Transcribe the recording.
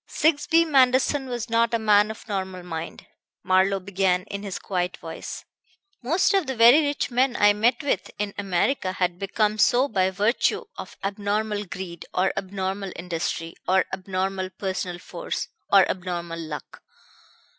"Sigsbee Manderson was not a man of normal mind," Marlowe began in his quiet voice. "Most of the very rich men I met with in America had become so by virtue of abnormal greed, or abnormal industry, or abnormal personal force, or abnormal luck.